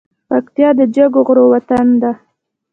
پکتیا د جګو غرو وطن ده .